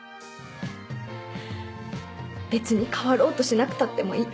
別に変わろうとしなくたってもいい。